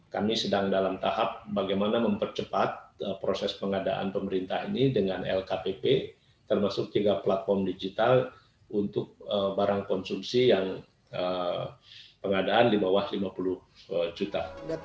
kami sedang dalam tahap bagaimana mempercepat proses pengadaan pemerintah ini dengan lkpp termasuk juga platform digital untuk barang konsumsi yang pengadaan di bawah lima puluh juta